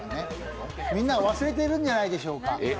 みんなが忘れてるんじゃないでしょうか